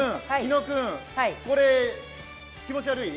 猪野君、これ、気持ち悪い？